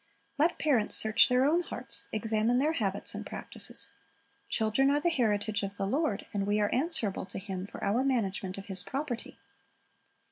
Let parents search their own hearts, examine their habits and practises. Children are the heritage of the Lord, and we are answerable to Him for our management of His property.